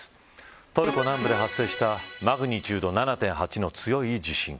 トルコ南部で発生したマグニチュード７．８の強い地震。